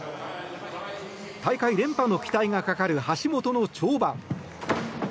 大会連覇の期待がかかる橋本の跳馬。